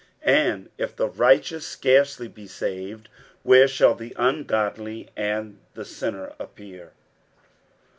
60:004:018 And if the righteous scarcely be saved, where shall the ungodly and the sinner appear?